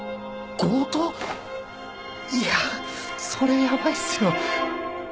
いやそれはやばいっすよ。